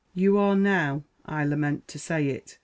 You are now (I lament to say it!)